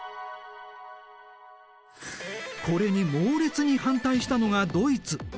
これに猛烈に反対したのがドイツ。